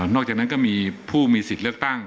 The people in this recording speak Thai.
อกจากนั้นก็มีผู้มีสิทธิ์เลือกตั้ง